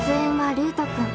ルートくん